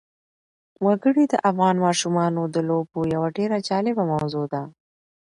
وګړي د افغان ماشومانو د لوبو یوه ډېره جالبه موضوع ده.